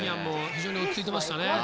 非常に落ち着いてましたね。